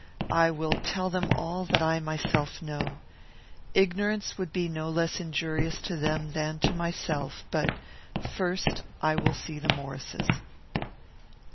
I will tell them all that I myself know. Ignorance would be no less injurious to them than to myself; but, first, I will see the Maurices."